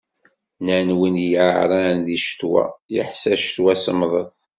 Nnan win yeεran di ccetwa, yeḥṣa ccetwa semmḍet.